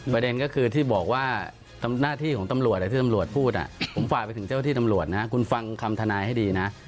ประเด็นก็คือที่บอกว่าหน้าที่ของตำรวจที่ตำรวจพูดผมฝากไปถึงเจ้าที่ตำรวจนะคุณฟังคำทนายให้ดีนะ